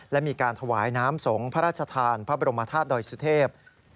และมีการถวายน้ำสงฆ์พระราชทานพระบรมธาตุดอยสุเทพ